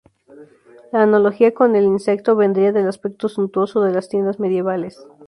La analogía con el insecto vendría del aspecto suntuoso de las tiendas medievales.